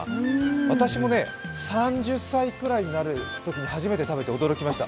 私も３０歳くらいになるときに初めて食べて驚きました。